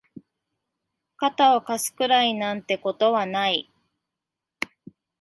肩を貸すくらいなんてことはない